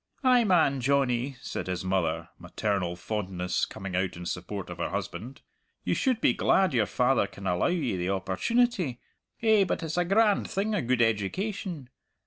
"Ay man, Johnnie," said his mother, maternal fondness coming out in support of her husband, "you should be glad your father can allow ye the opportunity. Eh, but it's a grand thing a gude education!